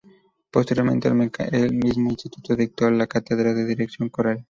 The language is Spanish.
Posteriormente en el mismo instituto dictó la cátedra de Dirección Coral.